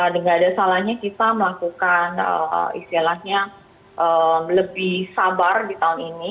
dan nggak ada salahnya kita melakukan istilahnya lebih sabar di tahun ini